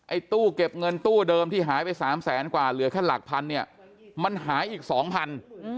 ตู้เก็บเงินตู้เดิมที่หายไปสามแสนกว่าเหลือแค่หลักพันเนี่ยมันหายอีกสองพัน